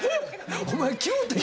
お前。